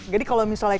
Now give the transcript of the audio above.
jadi kalau misalnya